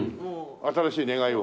新しい願いを。